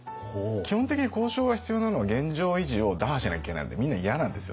基本的に交渉が必要なのは現状維持を打破しなきゃいけないのでみんな嫌なんですよ。